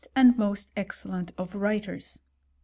153 and most ezceUent of writers.